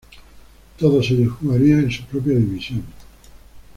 Todos ellos jugarían en su propia división.